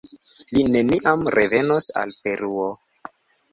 Li neniam revenos al Peruo.